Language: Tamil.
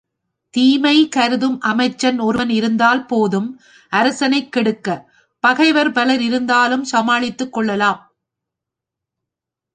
தீமை கருதும் அமைச்சன் ஒருவன் இருந்தால் போதும் அரசனைக் கெடுக்க பகைவர் பலர் இருந்தாலும் சமாளித்துக் கொள்ளலாம்.